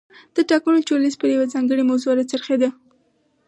د ټاکنو چورلیز پر یوې ځانګړې موضوع را څرخېده.